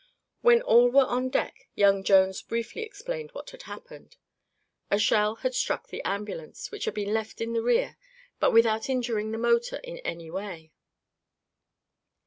When all were on deck, young Jones briefly explained what had happened. A shell had struck the ambulance, which had been left in the rear, but without injuring the motor in any way.